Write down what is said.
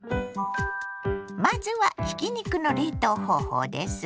まずはひき肉の冷凍方法です。